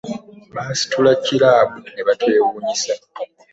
Baasitula kiraabu ne batwewuunyisa